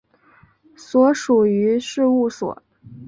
所属于事务所。